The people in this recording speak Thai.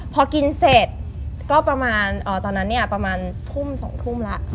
พอกินเสร็จก็ประมาณตอนนั้นเนี่ยประมาณทุ่ม๒ทุ่มแล้ว